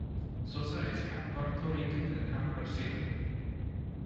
Sosa is half Puerto Rican and half Brazilian.